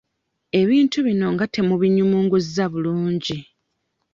Ebintu bino nga temubiyumunguzza bulungi.